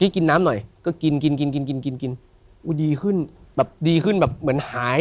กินน้ำหน่อยก็กินกินกินกินกินกินอุ้ยดีขึ้นแบบดีขึ้นแบบเหมือนหาย